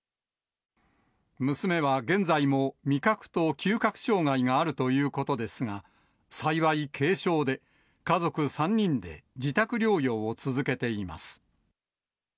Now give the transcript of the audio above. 娘は現在も味覚と嗅覚障害があるということですが、幸い軽症で、家族３人で、自宅療養を続けています。